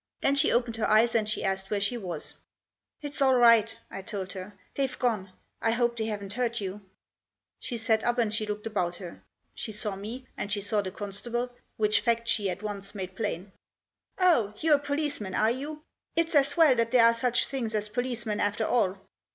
Then she opened her eyes and she asked where she was. «• It's all right," I told her. " They've gone. I hope they haven't hurt you." She sat up, and she looked about her. She saw me, and she saw the constable, which fact she at once made plain. Digitized by BETWEEN 13 & 14, ROSEMARY STREET. 87 " Oh, you're a policeman, are you ? It's as well that there are such things as policemen after all."